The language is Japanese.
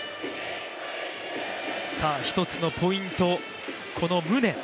一つのポイント、この宗。